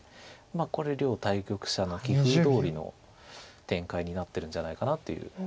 これ両対局者の棋風どおりの展開になってるんじゃないかなというとこです。